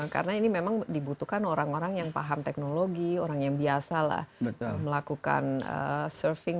karena ini memang dibutuhkan orang orang yang paham teknologi orang yang biasa lah melakukan surfing